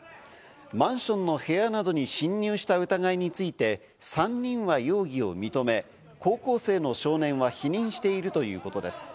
マンションの部屋などに侵入した疑いについて３人は容疑を認め、高校生の少年は否認しているということです。